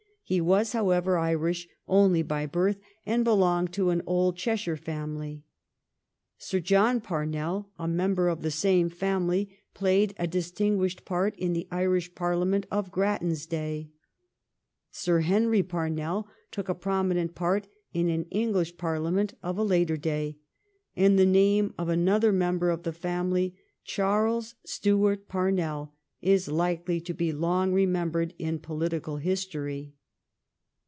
He was, however, Irish only by birth, and belonged to an old Cheshire family. Sir John ParneU, a member of the same family, played a distinguished part in the Irish Parliament of Grattan's day ; Sir Henry Parnell took a prominent part in an English Parliament of a later day ; and the name of another member of the family, Charles Stewart Parnell, is likely to be long remembered in pohtical history.